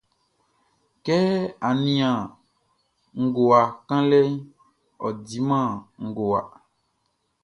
Kɛ á nían ngowa kanlɛʼn, ɔ diman ngowa.